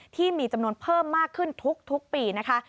ที่มีจำนวนเพิ่มมากขึ้นทุกปีนะคะ